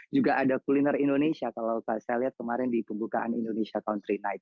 juga ada kuliner indonesia kalau saya lihat kemarin di pembukaan indonesia country night